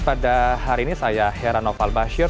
pada hari ini saya herano falbashir